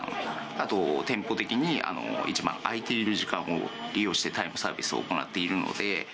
あと、店舗的に一番空いている時間を利用して、タイムサービスを行っているので。